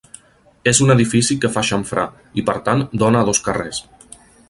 És un edifici que fa xamfrà, i per tant dóna a dos carrers.